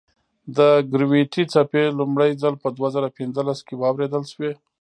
د ګرویتي څپې لومړی ځل په دوه زره پنځلس کې واورېدل شوې.